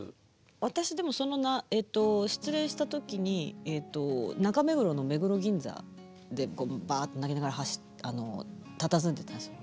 私でもその失恋した時にえっと中目黒の目黒銀座でバーッて泣きながらたたずんでたんですよ。